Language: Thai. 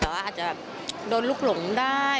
แต่ว่าอาจจะโดนลุกหลงได้